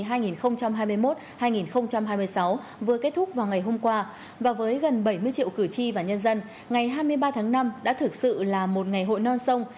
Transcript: hội đồng nhân dân các cấp nhiệm kỳ hai nghìn hai mươi một hai nghìn hai mươi hai vừa kết thúc vào ngày hôm qua và với gần bảy mươi triệu cử tri và nhân dân ngày hai mươi ba tháng năm đã thực sự là một ngày hội non sông